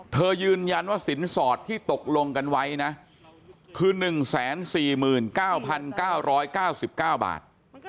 ยืนยันว่าสินสอดที่ตกลงกันไว้นะคือ๑๔๙๙๙๙บาท